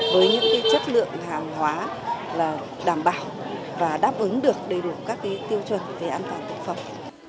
với những chất lượng hàng hóa là đảm bảo và đáp ứng được đầy đủ các tiêu chuẩn về an toàn thực phẩm